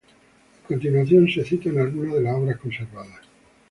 A continuación se citan algunas de las obras conservadas.